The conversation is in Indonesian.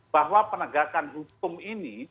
bahwa penegakan hukum ini